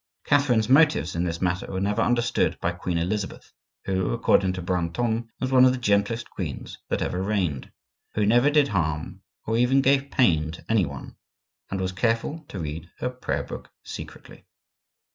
Catherine's motives in this matter were never understood by Queen Elizabeth, who, according to Brantome, was one of the gentlest queens that ever reigned, who never did harm or even gave pain to any one, "and was careful to read her prayer book secretly."